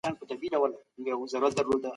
هر کار ته په اخلاص او صداقت اوږه ورکړئ.